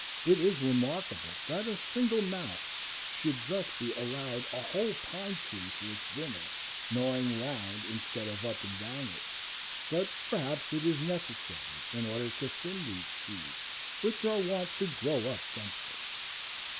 It is remarkable that a single mouse should thus be allowed a whole pine tree for its dinner, gnawing round instead of up and down it; but perhaps it is necessary in order to thin these trees, which are wont to grow up densely.